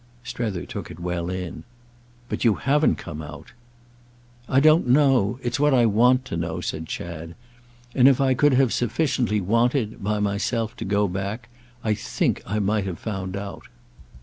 Strether took it well in. "But you haven't come out!" "I don't know—it's what I want to know," said Chad. "And if I could have sufficiently wanted—by myself—to go back, I think I might have found out."